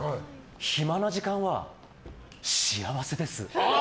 暇な時間は幸せです。